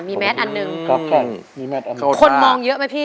อ่ามีแมทอันหนึ่งครับใช่มีแมทอันหนึ่งคนมองเยอะไหมพี่